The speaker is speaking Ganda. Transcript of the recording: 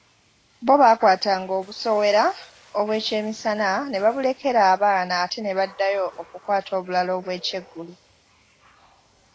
Bo baakwatanga obusowera obwekyemisana ne babulekera abaana ate ne baddayo okukwata obulala obw’ekyeggulo.